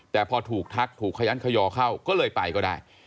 แต่พอถูกทักถูกขยันขยอเข้าก็เลยไปก็ได้